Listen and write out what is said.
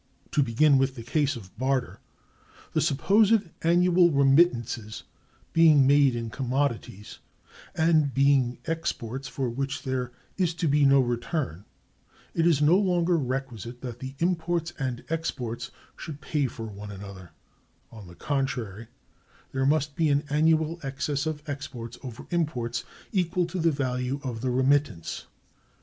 To begin with the case of barter. The supposed annual remittances being made in commodities, and being exports for which there is to be no return, it is no longer requisite that the imports and exports should pay for one another; on the contrary, there must be an annual excess of exports over imports, equal to the value of the remittance.